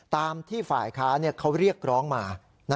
ตามที่ฝ่ายค้าเขาเรียกร้องมา